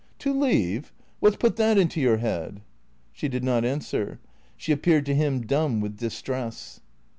" To leave? What 's put that into your head? " She did not answer. She appeared to him dumb with dis tress.